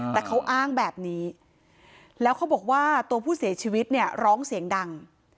แต่เขาอ้างแบบนี้แล้วเขาบอกว่าตัวผู้เสียชีวิตเนี่ยร้องเสียงดัง